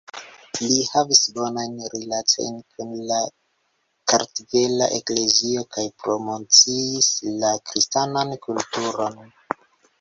Li havis bonajn rilatojn kun la Kartvela Eklezio kaj promociis la kristanan kulturon.